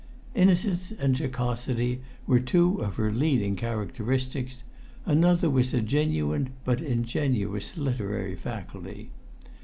Innocence and jocosity were two of her leading characteristics; another was a genuine but ingenuous literary faculty.